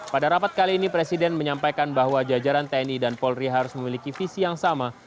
pada rapat kali ini presiden menyampaikan bahwa jajaran tni dan polri harus memiliki visi yang sama